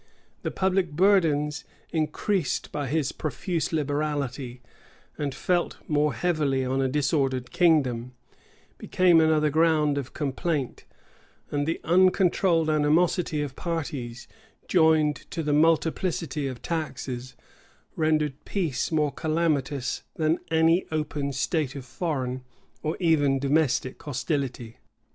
The public burdens, increased by his profuse liberality, and felt more heavy on a disordered kingdom, became another ground of complaint: and the uncontrolled animosity of parties, joined to the multiplicity of taxes, rendered peace more calamitous than any open state of foreign or even domestic hostility.